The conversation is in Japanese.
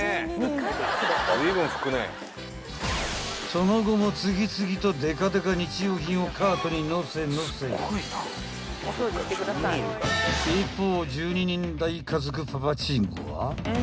［その後も次々とでかでか日用品をカートに載せ載せ］［一方］